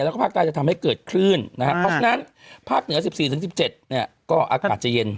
แล้วก็ภาคใต้จะทำให้เกิดคลื่นนะครับเพราะฉะนั้นภาคเหนือ๑๔๑๗เนี่ยก็อากาศจะเย็น